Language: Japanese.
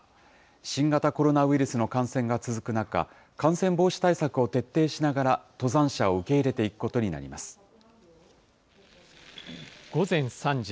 新型コロナウイルスの感染が続く中、感染防止対策を徹底しながら、登山者を受け入れていくことにな午前３時。